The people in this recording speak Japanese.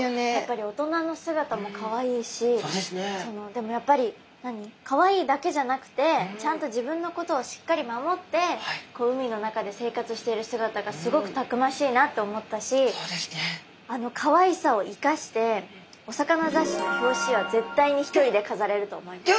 でもやっぱりかわいいだけじゃなくてちゃんと自分のことをしっかり守ってこう海の中で生活している姿がすごくたくましいなって思ったしあのかわいさを生かしてお魚雑誌の表紙は絶対に一人でかざれると思います。